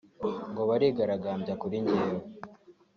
ngo barigaragambya kuri jyewe